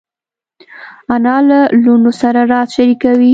انا له لوڼو سره راز شریکوي